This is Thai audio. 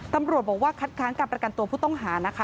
ตำรวจบอกว่าคัดค้างการประกันตัวผู้ต้องหานะคะ